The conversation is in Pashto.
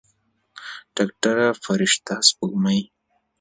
ډاکتره فرشته سپوږمۍ.